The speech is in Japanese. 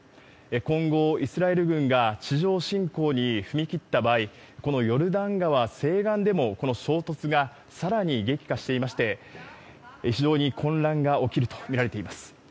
今後、イスラエル軍が地上侵攻に踏み切った場合、ヨルダン川西岸でもこの衝突がさらに激化していまして、非常に混乱が起きると見られています。